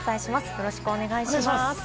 よろしくお願いします。